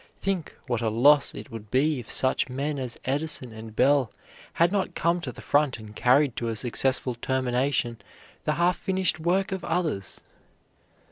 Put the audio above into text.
Think what a loss it would be if such men as Edison and Bell had not come to the front and carried to a successful termination the half finished work of others!